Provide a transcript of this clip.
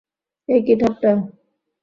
এ কি ঠাট্টা।